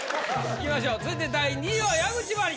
いきましょう続いて第２位は矢口真里。